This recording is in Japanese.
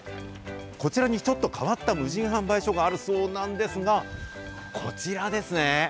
こちらにちょっと変わった無人販売所があるそうなんですが、こちらですね。